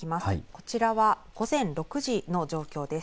こちらは午前６時の状況です。